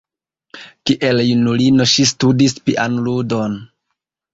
Kiel junulino ŝi studis pianludon.